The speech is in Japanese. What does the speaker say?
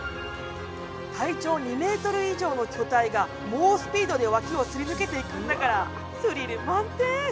体長２ｍ以上の巨体が猛スピードで脇をすり抜けていくんだからスリル満点！